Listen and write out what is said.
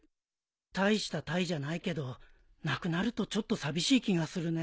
大した隊じゃないけどなくなるとちょっと寂しい気がするね。